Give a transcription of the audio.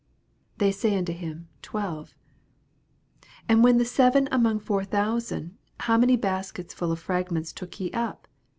They say unto him, Twelve. 20 And when the seven among four thousand, how many baskets full of fragments took ye up?